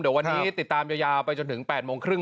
เดี๋ยววันนี้ติดตามยาวไปจนถึง๘โมงครึ่ง